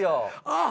ああ。